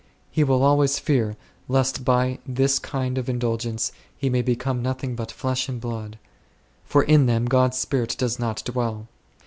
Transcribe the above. He will always fear lest by this kind of indulgence he may become nothing but flesh and blood ; for in them God's Spirit does not dwell.